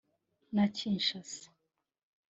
na Kinshasa